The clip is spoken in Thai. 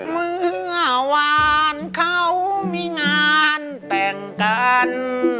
เมื่อวานเขามีงานแต่งกัน